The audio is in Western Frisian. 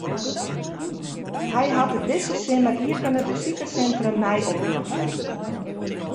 Hy hat it dizze simmer iepene besikerssintrum mei oprjochte.